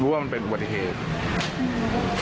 เขากระบะไม่ได้แล้วรู้เรื่องเหมือนกัน